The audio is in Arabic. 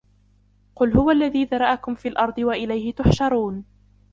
قل هو الذي ذرأكم في الأرض وإليه تحشرون